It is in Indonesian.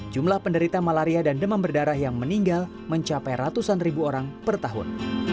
jumlah penderita malaria dan demam berdarah yang meninggal mencapai ratusan ribu orang per tahun